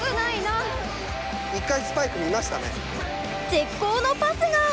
絶好のパスが！